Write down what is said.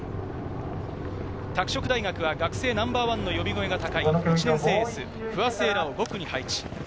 拓殖大学は学生ナンバーワンの呼び声が高い１年生エース、不破聖衣来を５区に配置。